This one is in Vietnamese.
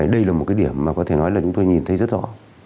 đây là một cái điểm mà có thể nói là chúng tôi nhìn thấy rất rõ